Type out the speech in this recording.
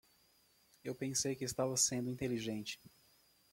Eu pensei que estava sendo inteligente.